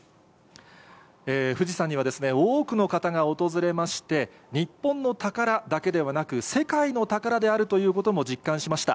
富士山には多くの方が訪れまして、日本の宝だけではなく、世界の宝であるということも実感しました。